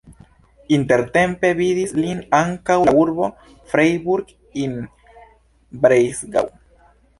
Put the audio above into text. Intertempe vidis lin ankaŭ la urbo Freiburg im Breisgau.